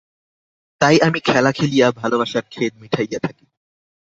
তাই আমি খেলা খেলিয়া ভালোবাসার খেদ মিটাইয়া থাকি।